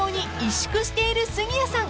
萎縮している杉谷さん］